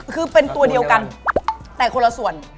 คือเป็นตัวเดียวกันแต่คนละส่วน